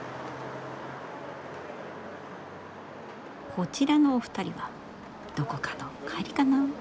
こちらのお二人はどこかの帰りかな？